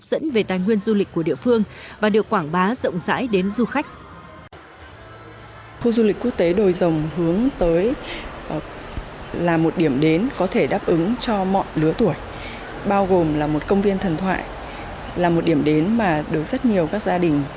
xây dựng cho mọi lứa tuổi bao gồm là một công viên thần thoại là một điểm đến mà được rất nhiều các gia đình